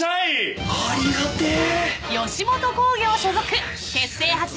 ありがてえ。